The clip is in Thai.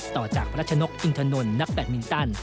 ต่อจากรัชนกอินทนนทนักแบตมินตัน